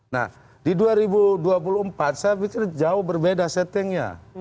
nah di dua ribu dua puluh empat saya pikir jauh berbeda settingnya